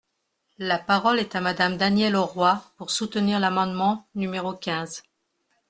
La parole est à Madame Danielle Auroi, pour soutenir l’amendement numéro quinze.